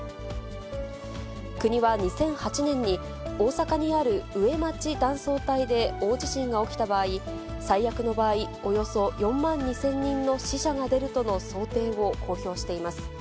国は２００８年に大阪にある上町断層帯で大地震が起きた場合、最悪の場合、およそ４万２０００人の死者が出るとの想定を公表しています。